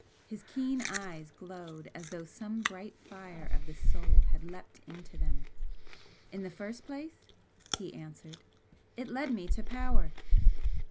His keen eyes glowed as though some bright fire of the soul had leaped into them. "In the first place," he answered "it led me to power!